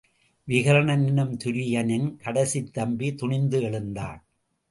விகர்ணன் என்னும் துரியனின் கடைசித்தம்பி துணிந்து எழுந்தான்.